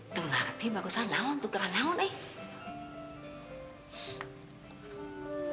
tunggu nanti baguslah naon tukeran naon eh